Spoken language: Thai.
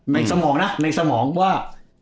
สมองนะในสมองว่า